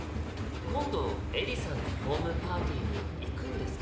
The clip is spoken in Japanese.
今度エリさんのホームパーティーに行くんですか？